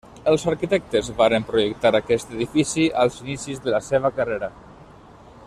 Els arquitectes varen projectar aquest edifici als inicis de la seva carrera.